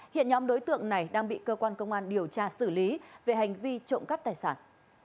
hiện nhóm đối tượng này đang bị cơ quan công an điều tra xử lý về hành vi trộm cắp tài sản